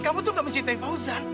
kamu tuh gak mencintai fauza